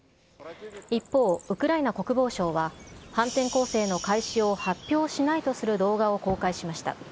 一方、ウクライナ国防省は、反転攻勢の開始を発表しないとする動画を公開しました。